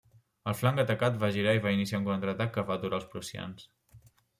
El flanc atacat va girar i va iniciar un contraatac que va aturar els prussians.